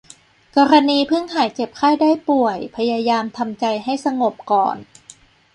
กรณีเพิ่งหายเจ็บไข้ได้ป่วยพยายามทำใจให้สงบก่อน